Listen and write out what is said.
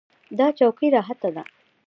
دا چوکۍ راحته ده.